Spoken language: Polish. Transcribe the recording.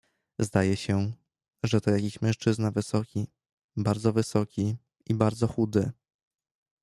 "Zdaje się, że to jakiś mężczyzna wysoki, bardzo wysoki i bardzo chudy."